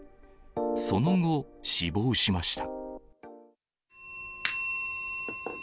その後、死亡しました。